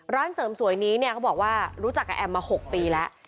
ร้านเสริมสวยนี้เนี่ยเขาบอกว่ารู้จักกับแอมมา๖ปีแล้ว